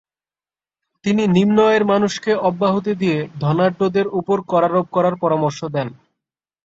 তিনি নিম্ন আয়ের মানুষকে অব্যাহতি দিয়ে ধনাঢ্যদের ওপর করারোপ করার পরামর্শ দেন।